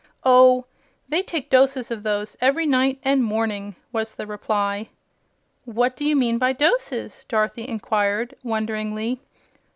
"Oh, they take doses of those every night and morning," was the reply. "What do you mean by doses?" Dorothy inquired, wonderingly.